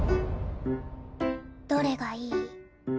どれがいい？